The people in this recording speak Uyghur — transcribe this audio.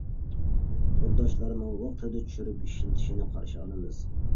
تورداشلارنىڭ ۋاقتىدا چۈشۈرۈپ ئىشلىتىشىنى قارشى ئالىمىز.